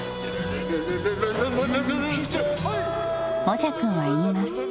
［もじゃくんは言います］